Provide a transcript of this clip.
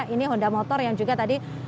ini honda motor yang juga tadi